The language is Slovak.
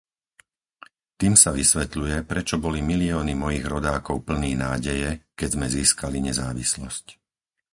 Tým sa vysvetľuje, prečo boli milióny mojich rodákov plní nádeje, keď sme získali nezávislosť.